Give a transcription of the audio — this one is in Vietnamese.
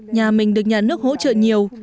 nhà mình được nhà nước hỗ trợ nhiều